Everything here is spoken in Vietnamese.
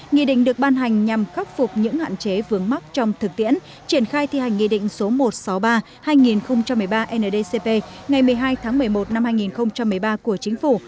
nghị định được ban hành nhằm khắc phục những hạn chế vướng mắc trong thực tiễn triển khai thi hành nghị định số một trăm sáu mươi ba hai nghìn một mươi ba ndcp ngày một mươi hai tháng một mươi một năm hai nghìn một mươi ba của chính phủ